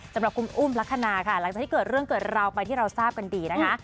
สำหรับคุณอุ้มลักษณะค่ะหลังจากที่เกิดเรื่องเกิดราวไปที่เราทราบกันดีนะคะ